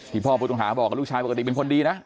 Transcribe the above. พ่อผู้ต้องหาบอกกับลูกชายปกติเป็นคนดีนะ